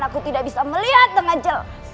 aku tidak bisa melihat dengan jelas